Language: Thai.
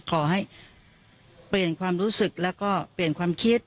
ขอให้เปลี่ยนความรู้สึกแล้วก็เปลี่ยนความคิด